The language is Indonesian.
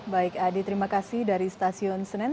baik adi terima kasih dari stasiun senen